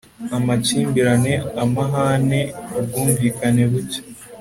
amakimbirane amahane, ubwumvikane buke